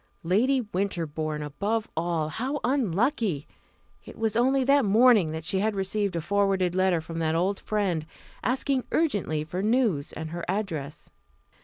Lady Winterbourne, above all! How unlucky! It was only that morning that she had received a forwarded letter from that old friend, asking urgently for news and her address.